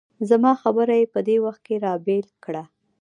زما خبره یې په دې وخت کې را بېل کړه.